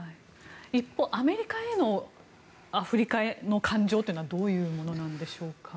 一方、アメリカへのアフリカの感情というのはどういうものなんでしょうか？